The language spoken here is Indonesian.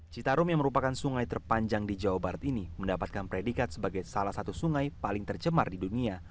citarum yang merupakan sungai terpanjang di jawa barat ini mendapatkan predikat sebagai salah satu sungai paling tercemar di dunia